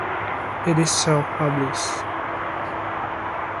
It is selfpublished.